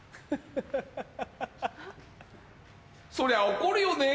そりゃあ怒るよね？